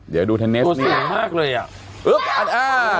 เดี๋ยวดูเทนนิสนี่